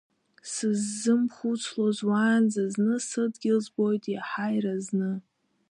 Сыззымхәыцлоз уаанӡа зны, сыдгьыл збоит иаҳа иразны.